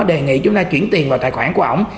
đề nghị chúng ta chuyển tiền vào tài khoản của ông